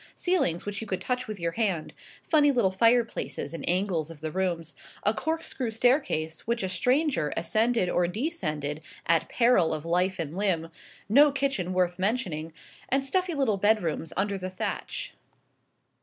Ceilings which you could touch with your hand; funny little fireplaces in angles of the rooms; a corkscrew staircase, which a stranger ascended or descended at peril of life or limb; no kitchen worth mentioning, and stuffy little bedrooms under the thatch.